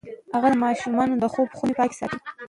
هغې د ماشومانو د خوب خونې پاکې ساتي.